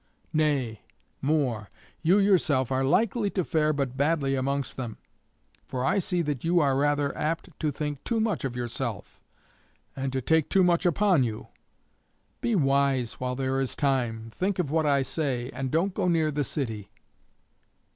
Nay, more, you yourself are likely to fare but badly amongst them, for I see that you are rather apt to think too much of yourself and to take too much upon you. Be wise while there is time, think of what I say, and don't go near the city."